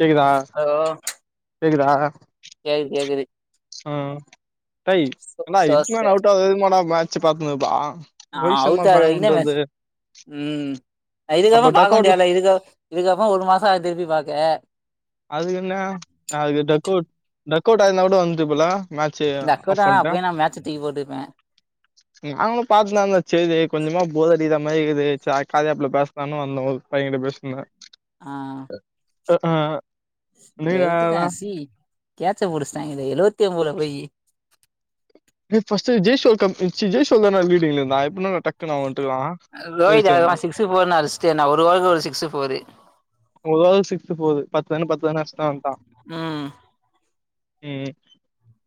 கேக்குதா ஹலோ கேக்குதா கேக்குது கேக்குது ஹான் டேய் என்னடா இதுக்கு சோச மேல அவுட் ஆதுடா மேட்ச பாத்தந்தப்பா ஆ ரோஹித் சர்மா அவுட்டாரு பிளான் வரைக்குந்தா மெஸ் பண்றது ம் இதுக்கு அப்புற அப்ப பாக்க டக் அவுட்ல முடியலா இதுக்க இதுக்கறம் ஒரு மாசம் திருப்பி பாக்க அதுக்கு என்ன அது டக் அவுட் டக் அவுட் ஆகுனா கூட வந்துட்டுப்பலா மேச்சு இந்த அக்கவுண்ட் ஆஃப் ஆனா பண்டா அப்பயே நா மேட்ச தூக்கி போட்டுருப்பே நாங்களு பாத்ததாந்தா சரி கொஞ்சமா போதடி இத மாதிரி இருக்கு காாப்ல பேச தானு வந்தோம் ஒரு பையனிட்ட பேசுந்தே ஆ அ ஆ நீ வெழுத்துட்டா யாருடா சி கேச்ச புடிஞ்ச்டா இது எழுவத்தி ஓம்போல போயி ர்ஸ ஜெயல் ஜெயசோல் தான வீடி இருான்ப்பன டக்கு நா வந்துட்டுக்கலாம் ரோஹித் அதிகமா சிக்ஸு போபர்னு அழிச்சட்டோ ஒருஓவக்கு ஒரு சிக்ஸு போரு ஒரு ஓவரு சிக்ஸ் போது பத்து தானே பத்து தான வட்டான் ம் ம்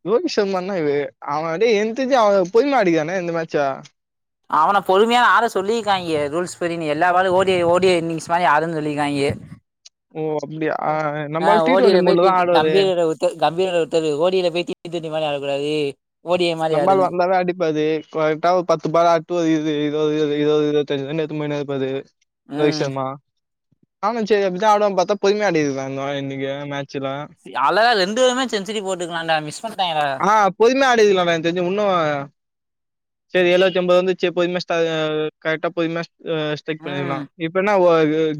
ரோகி சர்மனா இ அவன எஜ அவ பொருமயா அடிகானே இந்த மேட்சா அவன பொறுமையா ஆட சொல்லிருக்காய்ங்க ரூல்ஸ் படி நீ எல்லா பாலும் ஓடி ஓடி இன்னிங்ஸ் மாரி ஆடுன்னு சொல்லிருக்காய்ங்க ஓ அப்படியா ஓ நம்மால் ஆஹ் டி ஓடிற டுவெண்ட்டி மோட்ல போயி தான் ஆடுவாரு கம்பீர கம்பீர போய் ஒருத்தரு போய் தீர் துண்டி மாதிரி ஆடக்கூடாது ஓடி ஏ மாரி நம்மாள் ஆடுன்னு வந்தாவே அடிப்பாரு கரெக்டா ஒரு பத்து பாலு ஒரு இருபது இருபது இருபத்திஞ்சுத்து ரன் எடுத்னு போயிட் இருப்பாரு ரோஹித் ம் சர்மா ஆமா சரி அப்டிதா ஆடுவானு பாத்தா பொறுமயா ஆடியதுன்ந்தா இன்னைக்கு மேட்சல அழகா ரெண்டு பேருமே சென்ச்சுரி போட்டுக்கலான்டா மிஸ் பண்டாங்டா பொருமையா ஆடிதுக்கலாடா தெஞ்சு இன்னு சரி எழுுவத்தி ஐம்பது வந்து ச பொதுமயா கரெக்டா பொதுமைய செக் ம் பண்ணிக்கலாம் இப்பனா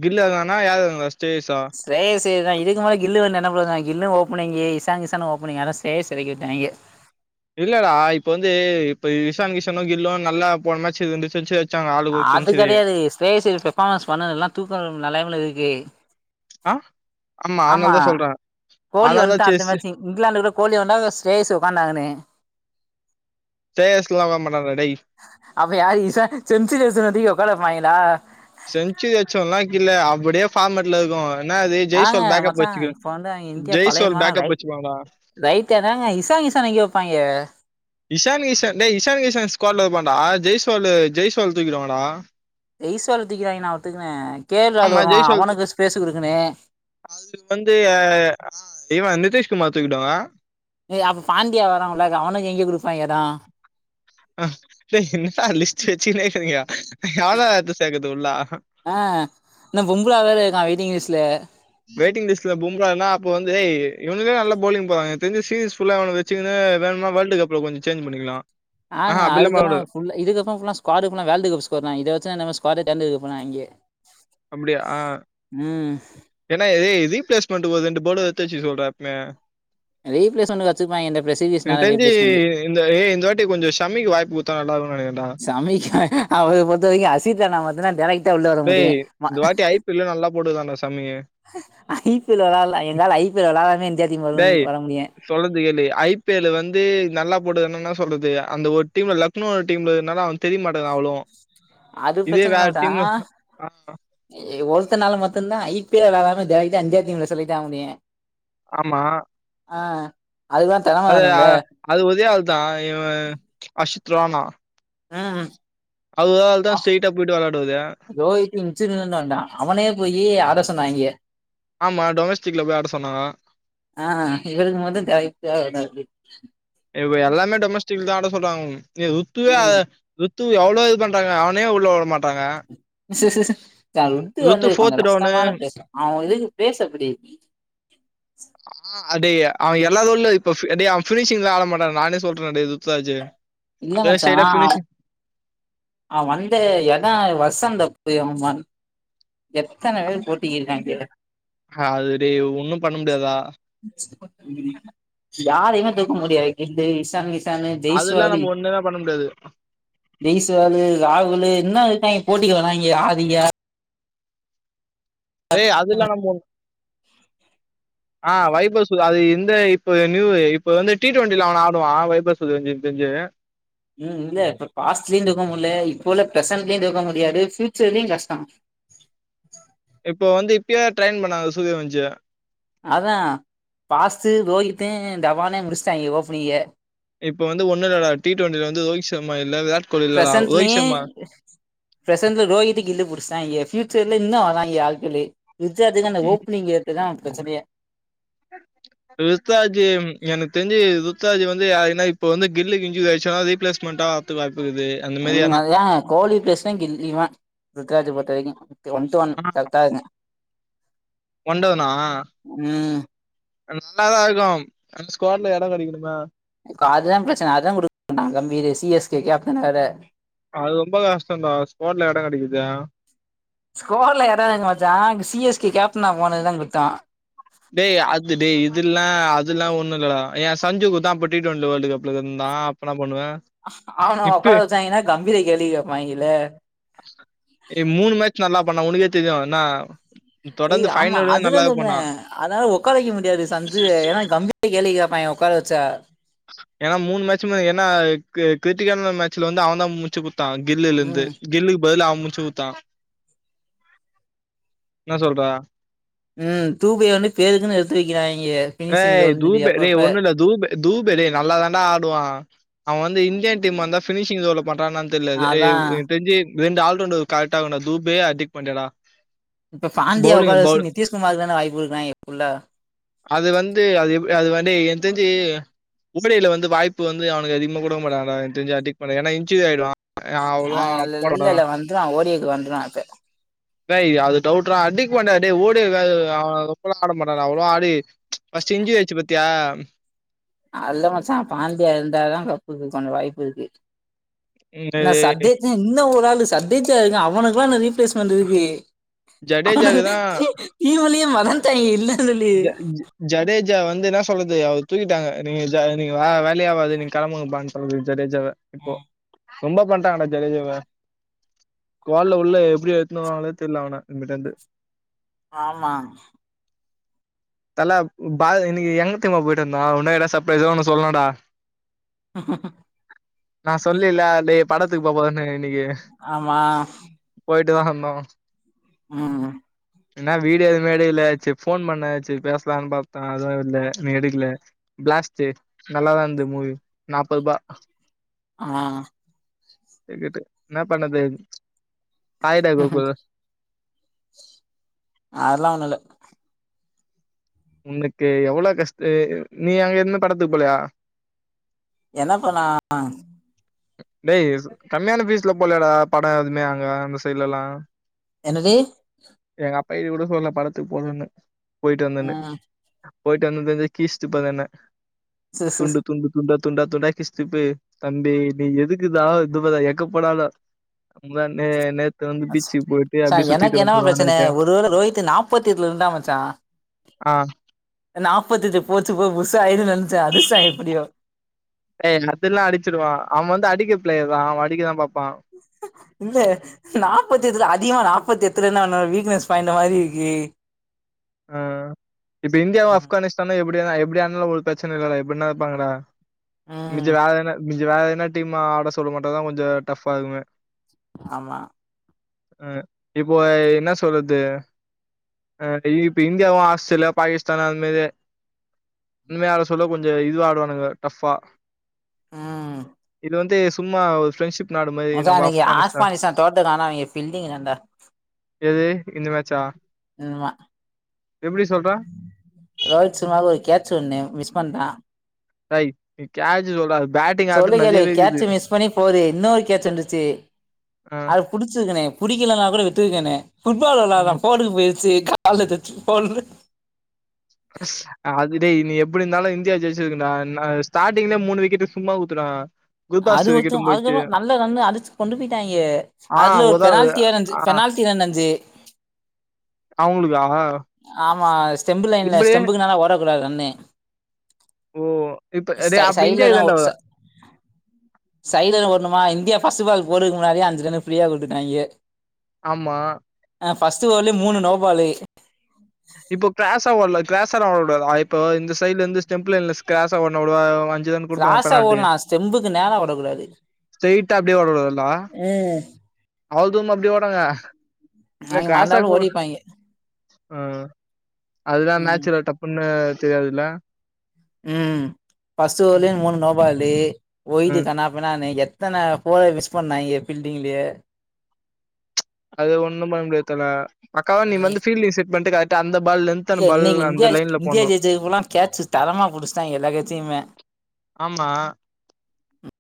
கில்னாயதுா ஸ்டேஸா சேரி சேரிதா இதுக்குமேல கில்லு வந்து எண்ண பண்றா கில்லு ஓப்பனிங்க இசாங்சான ஓப்பனிங்க சே சேரி இல்லடா இப்ப வந்து இப்ப இஷான் கிஷனு கில்லு நல்லா போன மேச்சி ரெண்டு செஞ்சுரி அ அது கடையாது [unintelligible] பெர்ஃபார்மன்ஸ் பண்ணது எல்லா தூக்கநெலைமை ல இருக்கு ஆ ஆமா அதனால தான் சொல்றேன். கோலி அதனால தான் வந்துட்டா அடுத்த செஸ் மாச்சிங் இங்குலாந்து கூட கோலி வந்தா [unintelligible] [unintelligible] வர மாட்டாடா டேய் அப்ப யார் ஈசா செஞ்சுரி அடிச்சவன தூக்கி உக்கார வைப்பாங்களா செஞ்சுரி அடிச்சவன்ல வக்கீல் அப்டியே ஃபார்மட்ல இருக்கு என்னா அது ஆங்க [unintelligible] பேக்கப் மச்சா வச்சுக்க இப்ப வந்து ஜெய்சோல் பேக்கப் வச்சுக்குவாங்டா ரைட்டு அதாங்க இஷான் கிஷன் எங்கே வைப்பாங்க இஷான் கிஷன் டே இஷான் கிஷன் ஸ்குவால்ல வைப்பண்ட ஜெய சோல்லு ஜெய் சோல் தூக்கிடுவாங்டா ஜெய் சுவலா தூக்கிடுவாங்க நா ஒத்துக்குவே கே லால் ஆமா வருவா அவனுக்கு ஸ்பேஸ்ஸு குடுக்குனு அதுக்கு வந்து ஆ இவ நிதிஷ்குமார் தூக்கிட்டோங்க ஏ அப்ப பாண்டியா வரா உள்ளக்க அவனுக்கு எங்க குடுப்பாங் எடோ அ டேய் என்னா லிஸ்ட்டு வச்சுே இருக்றீங்க எவளோ எடுத்து சேக்குது உள்ள ஆ இன்னு பொம்புல வேற இருக்கா வெயிட்டிங் லிஸ்ட்ல வெயிட்டிங் லிஸ்ட்டுல பொம்புல இருந்த அப்போ வந்து இவுங்களே நல்ல போலிங் போறங்க எனக்கு தெரிஞ்சி [unintelligible] ஃபுல்லா அவனுவாளவச்சு சிகிணு வேணும்னா வேல்டு கப்ல கொஞ்ச சேஞ்சி பண்ணிக்கலா ஆங்க அதுக்கப்ப [inaudible] [unintelligible] இதுக்கப்பறோ ஃபுல்லா ஸ்குவாடு ஃபுல்லா வேர்ல்ட் கப் ஸ்கோர் தா இதவெச்சில இன்னமே ஸ்குவாட் தேர்ந்தெடுக்கப் போறாங்கெ அப்டியா ஏன்னா இதே ரீ பிளேஸ் பண்ட்டு ஒரு ரெண்டு பௌலர் எடுத்து வச்சுக்க சொல்லுடா எப்பமே ரீப்ளேஸ்மண்ட் வச்சுருப்பாங்க இந்த எனக்கு பிரசஜர்ஸ்னால தெரிஞ்சு ரீப்ளேஸ்மண்ட் இந்த ஏ இந்த வாட்டி கொஞ்ச சம்மிக்கு வாய்ப்பு குத்த நல்லாருக்கு நெனக்கிரெண்ட சமமிக்க அவ பொறுத்த வரைக்கு அசித்த நா பத்தன்னா [unintelligible] டேய் இந்த வாட்டி ஐ பி எல் ல நல்லா போடுதானானா சம்மி ஐ பி எல் விளால எங்களால ஐ பி எல் விளலாமே இந்தியா டீம்மு வருன் டேய் வர முடியு சொல்றது கேளு ஐ பி எல் ல வந்து நல்லா போடுதுனும்னா சொல்றது அந்த ஒரு டீம்ல லக் குனு ஒரு டீம்ல இருக்துனால அவ தெரிய மாட்டாங்குற அவ்ளோவு அது இதே பிரச்சன இல்ல வேற மச்சா டீம்ல ஆ ஒருத்தனால மட்டுதா ஐ பி ல விளாடமா டைரக்ட்டா இந்தியா டீம்ல செலக்ட் ஆக முடியு ஆமா ஆ அதுதா அது அது ஒரே ஆள் தா இவ [unintelligible] அஹம் அவ்ரு ஒரு ஆள் தா ஸ்ட்ரெயிட்டா போயிட்டு விளயாடுவாரு [unintelligible] வேண்டா அவனே போய் அரசனாகிய ஆமா டொமஸ்டிக்ல போய் ஆட சொன்னாங்க ஆ இவ்ருக்கு மட்டு [unintelligible] இப்ப எல்லாமே டொமஸ்டிக் தா ஆட சொல்றாங்க ம் [unintelligible] ருத்துவு எவ்வளோ இது பண்றாங்க அவனே உள்ளவுட மாட்டாங்க [unintelligible] ருத்து வந்து கொஞ்ச ஃபோர்த் டவுனு கஷ்டமான ப்ளேஸ்ல அவ இதுக்கு ஃபேஸ்ஸு அப்டி [unintelligible] ஆ அடே அவ எல்லா உள்ள இப்பே டே அவ ஃப்னிஷி தா ஆட மாட்டா நானே சொல்றே டே துத்தராஜு இல்ல மச்சா அவ அவ வந்து எடா வசந்த புரியமன் [unintelligible] எத்தன பேரு போட்டிக்கு இருக்காங்க அது டேய் ஒண்ணு பண்ண முடியாதா யாரையுமே தூக்க முடியாது இந்த எக்ஸாமினேஷ் அதுல்லா நம்ம ஒன்னுனா பண்ண முடியாது டெய்ஸு வேலு ராகுலு இன்னு இருக்காய்ங்க போட்டிக்கி வராய்ங்க ஆதிகா ஏய் அதெல்லா நம்ம [unintelligible] ஆ வைபஸ்ஸு அது இந்த இப்ப நியூவு இப்ப வந்து டி டுவென்ட்டில அவன ஆடுவான் வைபஸு எனக் தெரிஞ்சு ம் இல்ல இப்ப பாஸ்ட்லயு தூக்க முடியல இப்ப உள்ள பிரசென்ட்லயு தூக்க முடியாது ஃபியூச்சர்லயு கஷ்டோ இப்போ வந்து இப்பயே ட்ரையின் பண்ணுதாங்க சூர்ய வம்சிய அதா பாஸ்டு ரோகித்து தவானயு முடிச்சட்டாங்க ஓபனிங்கே இப்ப வந்து ஒன்னு இல்லடா டி டுவென்ட்டில வந்து ரோஹித் சர்மா இல்ல விராட் கோலி இல்லடா ரோஹித் பிரசன்ட்லயு சர்மா பிரசன்ட்ல ரோகிக்துகின்டு புடிஸ்டாய்ங்க ஃபியூச்சர்ல இன்னு வராய்ங்க ஆட்களு இச்சாத்துக்கு அந்த ம் ஓப்பனி்ங் எ இதா பச்ச பய [unintelligible] ருத்தாஜு எனக்கு தெரிஞ்சு ருத்தாஜ் வந்து ஏனா இப்ப வந்து கில்லிக்கு இஞ்சுரி ஆயிச்சுன்னா ரீப்ளேஸ்மெண்டா த்து வாய்ப்பு இக்குது எங்களுக்கு அதுதா கோலி ப்ரச்சன கில்லிதா ருத்ராஜ பொறுத்த வரைக்கு ஒன் டு ஒன் கட்டாருக்குங்க ஒன் டு ஒன்னா ம் ஆனா நல்லாதா இருக்கு ஸ்குவாட்ல எடம் கெடைக்கணுமே எனக்கு அதுதா பிரச்சனை அதுதா குடுக்கணுமா Gambhir C S K captain வேற அது ரொம்ப கஷ்டன்டா ஸ்குவாட்ல எடம் கெடைக்குது ஸ்குவாட்ல எடம் எங்க மச்சா இங்க சி எஸ் கே கேப்டனா போனதுதா குத்தோ டேய் அது டேய் இது எல்லா அதெல்லா ஒன்னு இல்லடா ஏன் சஞ்சுக்குத்தா அப்ப டி டுவென்ட்டி வேர்ல்டு கப்ல இருந்தா இப்ப என்ன பண்ணுவ ஆ அவன ஒக்கார வச்சாய்ங்கனா கம்பீர கேள்வி கேப்பாய்ங்கலே ஏய் மூணு மேட்ச் நல்லா பண்ண உனக்கே நல்லா தெரியு இன்ன ஏய் தொடர்ந்து ஆமா ஃபைனல் வரையு அதுதா நல்லாவே சொல்றே பண்ணா அதனால ஒக்காரக்க வைக்க முடியாது சஞ்சுவ ஏனா கம்பீர கேள்வி கேப்பாய்ங்க ஒக்கார வச்சா ஏனா மூணு மேட்சுமே ஏனா கி கிருட்டிக்கான மேட்சுல வந்து அவன் தா முட்ச்சு குடுத் தா கில்லில இருந்து ம் கில்லிக்கு பதிலா அவன் மூச்சு குடுத்தா என்ன சொல்றா ம் தூபைய வந்து பேருக்குனு எடுத்து வைக்கிறாய்ங்க ஃபினிஷிங் டேய் ரோல்னு சொல்லி தூபே டேய் அப்பப்ப ஒன்னுல்ல தூபே தூபேலா நல்லா தாண்டா ஆடுவான் அவன் வந்து இந்தியன் டீம் வந்தா பினிஷிங் ஜோன்ல பண்றானானு தெர்ல அது அதா ஏய் எனக் தெஞ்சி ரெண்டு ஆள் ரவுண்டர் கரெட்டாருகனு தூபே அடிக்ட் பண்றியேடா இப்ப ஃபேமிலிய உட்கார வச்சி நிதீஷ்குமாருக்கு தான வாய்ப்பு குடுக்குறாய்ங்க ஃபுல்லா அது வந்து அது எப் அது வந்து எனக் தெரிஞ்சு உபடில வந்து வாய்பு வந்து அவனுக்கு அதிகமா குடுக்க மாட்டாங்க எனக் தெரிஞ்சு அவன டிக் பண்ணல ஏன்னா இன்ரி ஆயிடுவா ஏய் அவுங்களுக்குலா அப்பறோடா இப்டி தா ஓ டி ஏ க்கு வந்துருக்கா [unintelligible] டேய் அது டவுட்டு டா ஹட்டிக் பாண்டே டேய் ஓடி ஆ அவன் ரொம்பலா ஆட மாட்டா அவ்ளவா ஆடி ஃபர்ஸ்ட்டு இஞ்சுரி ஆயிச்சு பத்தியா நா இல்ல மச்சா பாண்டியன் இருந்தா தா கப்புக்கு கொஞ்சோ வாய்ப்பு இருக்கு என்ன என்னது சப்டேஜ் இன்னு ஒரு ஆள் சப்டேஜா இருக்கான் அவனுக்குல்லா இன்னு ரீப்ளேஸ்மெண்ட் இருக்கு அவன ஜடேஜாக்கு தா கி கிமோலயே மறன்டாய்ங்க இல்லனு சொல்லி [unintelligible] ஜடேஜா வந்து என்ன சொல்லுது அவர் தூக்கிட்டாங்க நீங்க நீங்க வேல ஆவாது நீங்க கிளம்புங்கப்பான்னு சொல்லற்து ஜடேஜாவ இப்போ ரொம்ப பண்றாங்கடா ஜலேஜேவ கோல்ல உள்ள எப்டி எடுத்துகு வாங்கனே தெரியல அவன நமிட்டருந்து ஆமா தலப் பா இன்க்கி எங்கத்தயமா போயிட்டு வந்தோ உன்னு எடா சப்ரைஸா ஒன்னு சொல்லோடா ஆஹ நா சொல்லில டே படத்துக்கு போ போதுனு இன்னிக்கி ஆமா போயிட்டு தான வந்தோ ம் ம் என்னா வீடு எதுவுமே எடுக்கல ச்சிப்ஸ் போன் பண்ணாச்சு பேசலானு பாத்தா அதுவு இல்ல நீ எடுக்கல பிளாஸ்ட்டு நல்லாதா இருந்து மூவி நாப்பது பா ஆ கேட்டு என்னா பண்ணுது அதுலா ஒன்னுல்ல உங்ளுக்கு எவ்வளோ கஷ்டு நீங்க அங்க இருந்து படத்துக்கு போலயா என்ன பன்னா அ டேய் கம்மியான ஃபீஸ்ல போலயேடா படோ எதுவுமே அங்க அந்த சைட்ல எல்லா என்னடி எங்க அப்பா கீட கூட சொல்லல படத்துக்கு போதன்னு போய்ட்டு வந்தன்னு ம் போயிட்டு வந்தது தெஞ்சா கீச்ட்டுப்பாங்க என்ன சேர் சேர் துண்டு துண்டு துண்ட துண்டா துண்டா கிஷ்திப்பு தம்பி நீ எதுக்குதாவ இதுப்பதா எங்க போனாலு இந்தனேனேத் அஸ் சோ எனக்கு என்னவ பிரச்சன இருக்கே ஒருவேள ரோஹித்து நாப்பத்தி எட்டுல இருந்தாமச்சா ஆ நாற்பத்தஜ்ஜு போச்சு போ புசா ஆயிரு நினைச்ச அடிஸா எப்புடியோ ஏய் அட்தெல்லா அடிச்சிடுவா அவ வந்து அடிக்க பிளேயர் தா அவ அடிக்கதா பாப்பா இல்லே நாப்பத்து எத்துல அதிகமா நாப்பத்து எத்துலனன்ன வீக்னஸ் பாயி ன்டு மாரி இருக்கு ஆ இப்ப இந்தியாவு ம் ஆப்கானிஸ்தானு எப்புடிலா எப்டி ஆட்னாலு ஒரு பிரச்சன இல்ல எப்டின்னா இருப்பாங்கடா மிச்சோ ம் வேற எதனா மிச்சோ வேற எதனா டீம் ஆட சொல்ல மட்டுதா கொஞ்சோ டஃப்பா இருக்குமே ஆமா இப்போய் என்ன சொல்லுது இப்ப இந்தியாவு ஆஸ்திரேலியா பாகிஸ்தானு அதுமேரி இனிமேயார சொல்லு கொஞ்சோ இதுவா ஆடுவானுங்க டஃபா ஆ இது வன்டு சும்மா ஒரு ஃப்ரெண்ட்ஷிப் நாடு மாரி அதா நம்ம அன்னைக்கி ஆப்கானிஸ்தான். ஆஸ்பானிஸா தோட்டக்கா அவ்ங்க பில்டிங் ஏன் டா எது இந்த மேச்சா ஆமா சொல்ற? ரோஹித் சர்மாக்கு ஒரு கேச்சு ஒண்ணு மிஸ் பண்டா ரேட் நீ கேச்சுவுடாத் சொல்லு கேளு கேட்சு மிஸ் பண்ணி ஃபோதுஸ இன்னொரு கேச்சு இருந்துச்சு ஆ. அ புடிச்சிருக்கேனே புடிக்கலன்னா கூட விட்டு இருங்கனே புட்பால் ம். விளயாடுறா ஃபோடுக்கு போயிருச்சு கா கால்ல தச்சு போல்று அதுடே நீ எப்புடி இருந்தாலு இந்தியா ஜெயிச்சிருக்கு டா ஸ்டாட்டிங்லே மூணு விக்கெட்டு சும்மா ஊத்துனா அது ஓகே அதுக்கப்புறம் நல்ல ரன்னு அடிச்சு கொண்டு போயிட்டாங்க ஆ அதுல ஒரு உதாவ் பெனால்ட்டி வேற ந்து ஆ பெனால்ட்டி ரன் அந்து அவுங்களுக்கா ஆமா ஸ்டெம்பு லயின்ல்ல ஸ்டெம்புக்கு நேரா ஓடக்கூடாது ரன்னு ஓ! இப்ப டேய் ச அப்ப இந்தியாக்கு சைட்லதா தான்டா ச சைட்ல தா ஒடணுமா இந்தியா ஃபர்ஸ்ட் பால் போட்றதுக்கு முன்னாேடியே அஞ்சு ஃப்ரீயா குடுத்துட்டாங்க ஆமா அ ஃபஸ்ட் ஓவர்லயே மூணு நோபாலு இப்போ க்ராசா ஒட்லா க்ராசாலா ஓட கூடாதா இப்ப இந்த சைட்லந்து ஸ்டேம்ப் லைன்ல க்ராசா ஓடுனா கூட [unintelligible] க்ராசா பெனால்டி. ஓடலாம் ஸ்டெம்புக்கு நேரரா ஒடக்கூடாது ஸ்ட்ரெய்ட்டா அப்டியே ஓடக்கூடாதுல்ல? ம் அவ்ளோ தூரமா அப்டி ஓடுறாங்க என் அவிங்க க்ராசாக் மறந்தாப்புல ஓடிப்பாய்ங்க ஆ அதுதா ம் மேச்சுல டப்புன்னு தெரியாதுல ம் ஃபஸ்ட்டு ஓவர்லே ம். மூணு நோபாலு ஓய்டு ம். கன்னாப் பின்னான்னு எத்தன ஃபோர மிஸ் பண்ணாங்க பீல்டிங்லயே அது ஒண்ணும் பண்ண முடியாது பக்காவா நீ வந்து பீல்ட் லைன் செட் பண்ணிட்டு கரெக்டா அந்த பால்ல இருந்து எ இன்னைக்கு இந்தியா இந்தியா ஜேயிச்சதுக்குல்லாம் கேச்சு தரமா புடிச்டாங்க எல்லா கேச்சையுமே ஆமா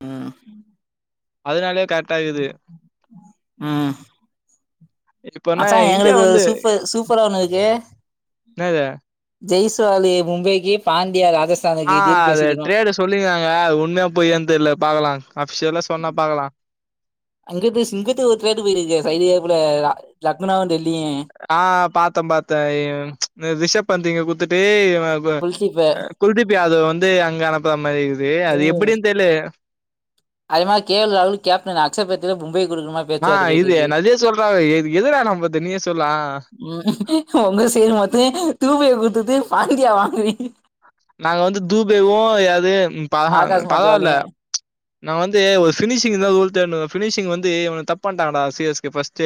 ம் அதனாலயே க ம் இப்பனா அதா இந்தியா எங்களுக்கு வந்து சூப்பர் சூப்பரா ஒண்ணு இருக்கு என்னது ஜெய் சோலி மும்பைக்கு பாண்டியா ராஜஸ் ஆ அது ட்ரேடு சொல்லிகாங்க அது உண்மையா போய்யான் தெரில பாக்கலான் அஃபிஷியல்லா சொன்னா பாக்கலாம் இங்கிட்டு சிங்கத்து ட்ரேடு பிரியுதுயா சைடுல கேப்புல லக்னோவு டெல்லியு ஆ பாத்தன் பாத்தன் ரிஷப் பந்தீங்க குத்துட்டு அ வ குல்தீப்பு குல்தீப் யாதவ் வந்து அங்க அனுப்புற மாரி இருக்குது அது ம் எப்புடினு தெர்ல அதே மாரி கே எல் ராகுல் கேப்டன் அக்ஸபேத்தில்ல மும்பை குடுக்குற மா ஆனா இது என்னதே சொல்றாங்க எது எதுடா நம்றது நீயே சொல்லேன் ம் உங்க சைடு மட்டும் குவிய குடுத்துடு பாண்டியா வாங்குவிங்க நாங்க வந்து துபேவும் எது பா ஆகாஷ் பரவால மத்தவாளையு நாங்க வந்து ஒரு ஃபினிஷிங் தா ரூல் தேடின் இருக்கோ ஃபினிஷிங் வந்து தப்பாட்டாங்கடா சிஎஸ்கே ஃபர்ஸ்டு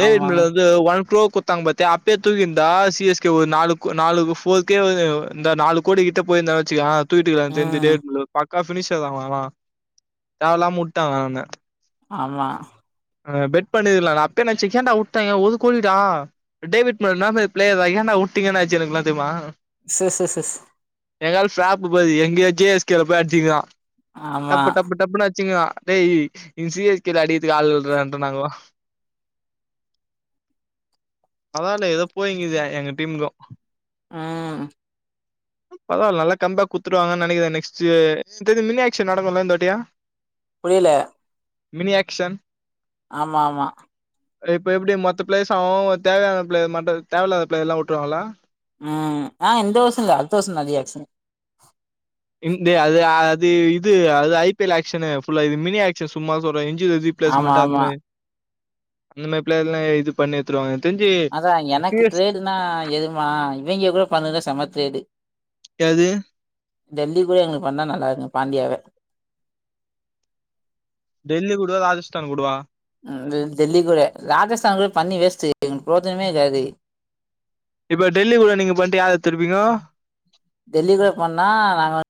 டே ஆமா [unintelligible] ஒன் க்ரோ குத்தாங்க பத்யா அப்பே தூகிந்த சி எஸ் கே ஒரு நாலு கோ நாலு ஃபோர் கே வந்து இந்த நாலு கோடிக்கிட்ட போயிட்ருந்தான் வச்சுக்கோவேன் தூக்கிட்டே எந்த ம் [unintelligible] இல்ல பக்கா பினிஷர் தான் அவன்லாம் தேவ இல்லாம வுட்டாங்க அவன ஆமா ஆ பெட் பண்ணிரல நா அப்பயே நெனச்சே ஏன்டா உட்டாங்க ஒரு கோடி டா டேவிட் மாரிலா ப்ளேயர் ஏன்டா உட்டீங்கன் ஆச்சு எனக்குலாம் தெரியுமா ச ச ச ஷ் எங் ஆள் [unintelligible] பாரு எங்யோ சி எஸ் கே ல போய் அடுச்சீன்ங்களா ஆமா டப்பு டப்பு டப்புன்னு அடிச்சினு இருக்கான் டேய் இங்க சி எஸ் கேல அடிக்கதுக் ஆள் இலன்றாங்கோ பரவால்ல ஏதோ போயினுக்குது எங்க டீமூக்கும் ம் பரவால்ல நல்ல கம் பேக் குத்துருவாங் நெனைக்குறேன் நெக்ஸ்ட் எனக் தெரிஞ்சி மினி ஆக்ஷன் நடக்குல இந்தாட்டியு புரியல மினி ஆக்ஷன் ஆமா ஆமா இப்ப எப்டி மொத்த பிளேஸ்சும் அவ அவ தேவையான பிளே மட்ட தேவையில்லாத ப்ளைஸ் எல்லா விட்டுருவாங்களா ம் ஆ இந்த வருஷோ இல்ல அடுத்த வருஷோ தா ரீ ஆக்ஷன்னு இந்த அது அது இது அது ஐ பி எல் ஆக்ஷனு ஃபுல்லா இது மினி ஆக்சன்னு சும்மா தா சொல்ற [unintelligible] ஆமா பிளேஸ்மெண்ட் அந்த ஆமா மாதிரி அந்த மாதிரி பிளேஸ்ல இது பண்ணித்துருவாங்க எனக்கு தெரிஞ்சு சி எஸ் னா எதுமா இவங்க கூட பண்ணுல செம [unintelligible] காது டெல்லி கூட எங்களுக்கு பண்ணா நல்லா இருக்க பாண்டியாவே டெல்லி கூடடுவா ராஸ்தான் கூடுவா டெல்லி கூட ராஜஸ்தான் கூட பண்ணி வேஸ்ட்டு எங்களுக்கு போரரோஜனமே இருக்காது இப்ப டெல்லி கூட நீங்க பண்ணிட்டு யாரே திருப்பீங்க டெல்லி கூட பண்ணா நாங்க வந்து